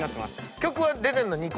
曲出てるの？